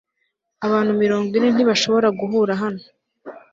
abantu mirongo ine ntibashobora guhura hano